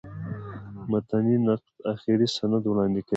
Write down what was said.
متني نقد آخري سند وړاندي کوي.